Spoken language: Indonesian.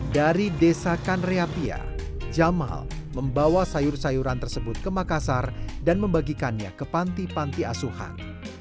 dari desa kanreapia jamal membawa sayur sayuran tersebut ke makassar dan membagikannya ke panti panti asuhan